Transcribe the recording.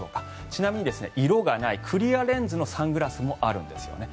ちなみに色がないクリアレンズのサングラスもあるんですよね。